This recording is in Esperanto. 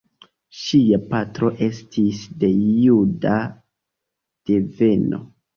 Ŝia patro estis de juda deveno.